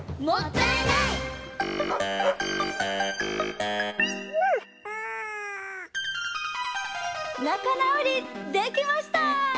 なかなおりできました！